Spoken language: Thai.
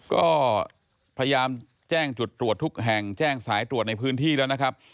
ก็พยายามแจ้งจุดตรวจทุกแห่งแจ้งสายตรวจในพื้นที่แล้วนะครับ